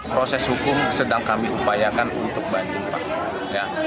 proses hukum sedang kami upayakan untuk bandingkan